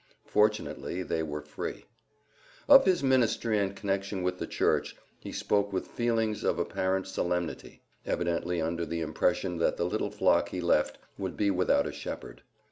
Fortunately they were free. Of his ministry and connection with the Church, he spoke with feelings of apparent solemnity, evidently under the impression that the little flock he left would be without a shepherd.